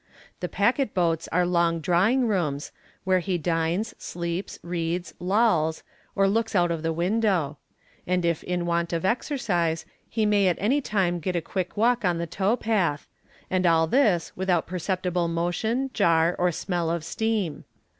The packet boats are long drawing rooms, where he dines, sleeps, reads, lolls, or looks out of the window; and if in want of exercise, he may at any time get a quick walk on the tow path, and all this without perceptible motion, jar, or smell of steam.